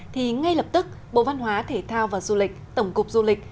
thì ngay lập tức bộ văn hóa thể thao và du lịch tổng cục du lịch